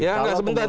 ya gak sebentar